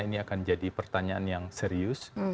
ini akan jadi pertanyaan yang serius